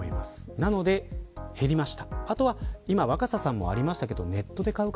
なので減りました。